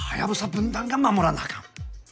分団が守らなあかん。